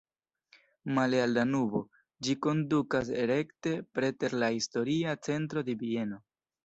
Male al Danubo, ĝi kondukas rekte preter la historia centro de Vieno.